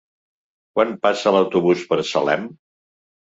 Quan passa l'autobús per Salem?